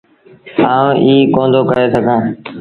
آئوٚنٚ ايٚ ڪوندو ڪهي سگھآݩٚ